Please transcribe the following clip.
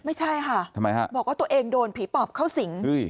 ไม่ใช่ค่ะทำไมฮะบอกว่าตัวเองโดนผีปอบเข้าสิง